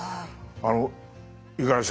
あの五十嵐さん